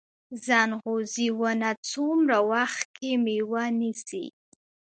ځنغوزي ونه څومره وخت کې میوه نیسي؟